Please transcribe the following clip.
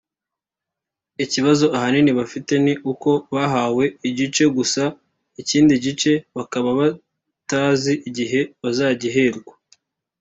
Ikibazo ahanini bafite ni uko bahawe igice gusa ikindi gice bakaba batazi igihe bazagiherwa